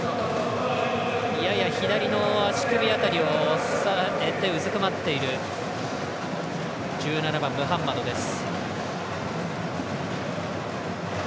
やや左の足首辺りを押さえてうずくまっている１７番、ムハンマドです。